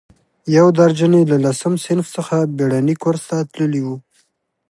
یو درجن یې له لسم صنف څخه بېړني کورس ته تللي وو.